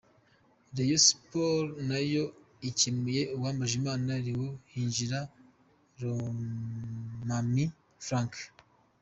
' Rayon Sports nayo ikuyemo Uwambajimana Leon hinjira Lomamai Frank.